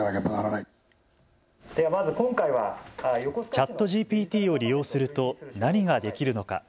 ＣｈａｔＧＰＴを利用すると何ができるのか。